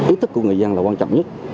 ý thức của người dân là quan trọng nhất